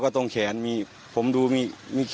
ตรงแขนผมดูมีแขนมีรูป